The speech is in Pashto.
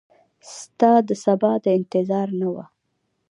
ستا دسبا د انتظار نه وه